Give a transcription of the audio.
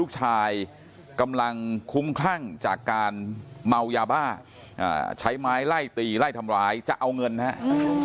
จากการเมายาบ้าใช้ไม้ไล่ตีไล่ทำร้ายจะเอาเงินนะครับ